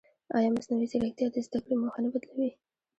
ایا مصنوعي ځیرکتیا د زده کړې موخه نه بدلوي؟